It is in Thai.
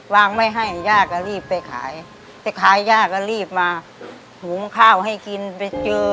ไม่ให้ย่าก็รีบไปขายไปขายย่าก็รีบมาหุงข้าวให้กินไปเจอ